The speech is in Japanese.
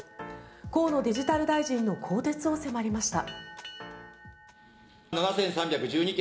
河野デジタル大臣の更迭を迫りました。